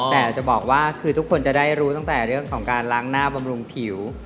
แต่จะบอกว่าคือทุกคนจะได้รู้ตั้งแต่เรื่องของการล้างหน้าบำรุงผิว